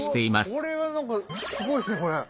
これはなんかすごいっすねこれ。